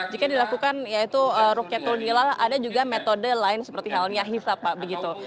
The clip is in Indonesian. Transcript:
jika dilakukan yaitu rukyatul hilal ada juga metode lain seperti halnya hisap pak begitu